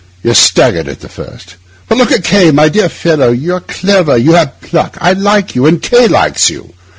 You're staggered at the first. But look at K—! My dear fellow, you're clever, you have pluck. I like you, and K— likes you.